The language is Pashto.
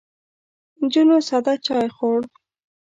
نجونو ساده چای خوړ.